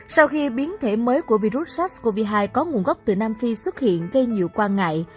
sau khi biến thể mới của virus sars cov hai có nguồn gốc từ nam phi xuất hiện gây nhiều quan ngại